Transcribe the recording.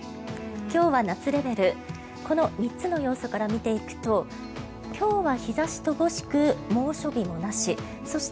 今日は夏レベルこの３つの要素から見ていくと、今日は日差し乏しく猛暑日もなし。